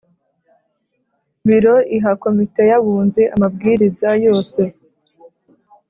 Biro iha Komite y Abunzi amabwiriza yose